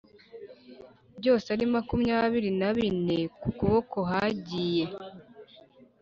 byose ari makumyabiri na bine ku kuboko hagiye